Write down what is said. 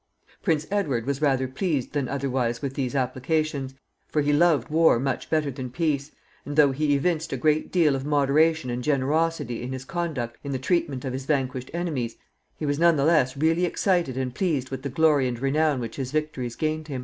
Prince Edward was rather pleased than otherwise with these applications, for he loved war much better than peace, and, though he evinced a great deal of moderation and generosity in his conduct in the treatment of his vanquished enemies, he was none the less really excited and pleased with the glory and renown which his victories gained him.